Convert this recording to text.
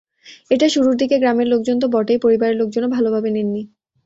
এটা শুরুর দিকে গ্রামের লোকজন তো বটেই, পরিবারের লোকজনও ভালোভাবে নেননি।